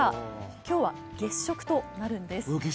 今日は月食となるんです。